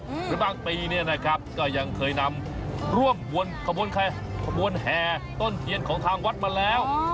หรือบางปีเนี่ยนะครับก็ยังเคยนำร่วมขบวนใครขบวนแห่ต้นเทียนของทางวัดมาแล้ว